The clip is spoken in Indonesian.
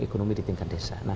ekonomi di tingkat desa